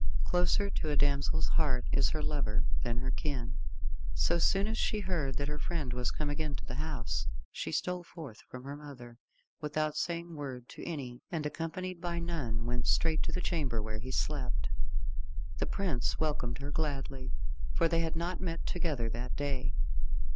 Closer to a damsel's heart is her lover than her kin. So soon as she heard that her friend was come again to the house, she stole forth from her mother, without saying word to any, and accompanied by none, went straight to the chamber where he slept. The prince welcomed her gladly, for they had not met together that day.